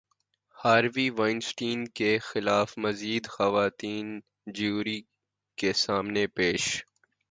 Harvey Weinstein کے خلاف مزید خواتین جیوری کے سامنے پیش